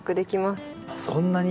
そんなに。